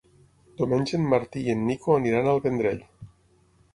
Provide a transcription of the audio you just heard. Diumenge en Martí i en Nico aniran al Vendrell.